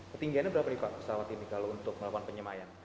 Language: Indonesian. ketinggiannya berapa nih pak pesawat ini kalau untuk melakukan penyemayan